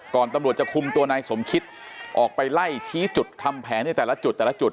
ตำรวจจะคุมตัวนายสมคิตออกไปไล่ชี้จุดทำแผนในแต่ละจุดแต่ละจุด